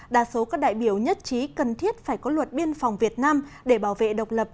đa số các đại biểu nhất trí cần thiết phải có luật biên phòng việt nam để bảo vệ độc lập